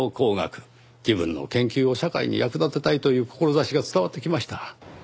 自分の研究を社会に役立てたいという志が伝わってきました。